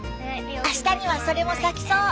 あしたにはそれも咲きそう。